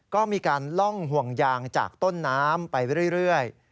ก็มีการล่องห่วงยางจากต้นน้ำไปเรื่อย